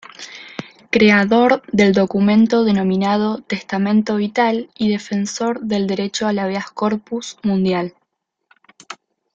Creador del documento denominado testamento vital y defensor del derecho al habeas corpus mundial.